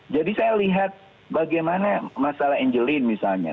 jadi saya lihat bagaimana masalah angeline misalnya